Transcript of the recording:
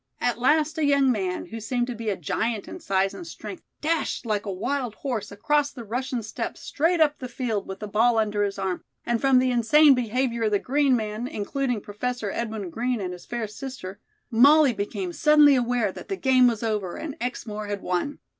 At last a young man, who seemed to be a giant in size and strength, dashed like a wild horse across the Russian steppes straight up the field with the ball under his arm, and from the insane behavior of the green men, including Professor Edwin Green and his fair sister, Molly became suddenly aware that the game was over and Exmoor had won.